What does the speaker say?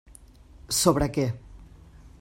Sobre què?